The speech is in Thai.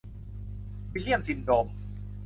วิลเลี่ยมซินโดม